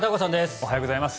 おはようございます。